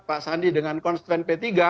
pak sandi dengan konstrian p tiga